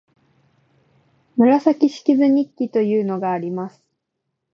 「紫式部日記」というのがあります